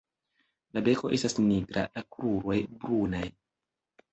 La beko estas nigra; la kruroj brunaj.